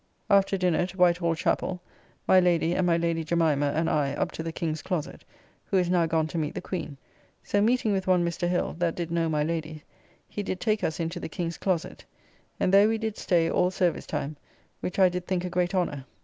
After dinner to White Hall chappell; my Lady and my Lady Jemimah and I up to the King's closet (who is now gone to meet the Queen). So meeting with one Mr. Hill, that did know my Lady, he did take us into the King's closet, and there we did stay all service time, which I did think a great honour.